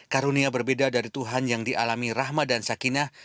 karunia berbeda dari tuhan yang dialami rahma dan sakinah